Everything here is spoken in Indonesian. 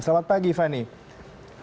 selamat pagi fani